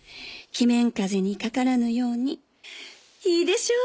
鬼面風邪にかからぬようにいいでしょう？